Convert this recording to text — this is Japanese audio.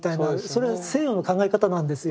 それは西洋の考え方なんですよ。